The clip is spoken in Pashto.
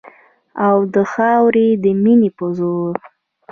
او د خاورې د مینې په زور